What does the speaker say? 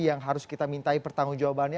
yang harus kita mintai pertanggung jawabannya